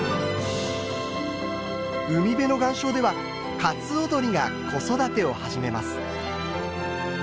海辺の岩礁ではカツオドリが子育てを始めます。